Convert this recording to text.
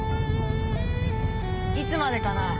いつまでかなあ。